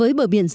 với bờ biển dài